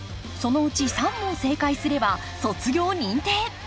そのうち３問正解すれば卒業認定！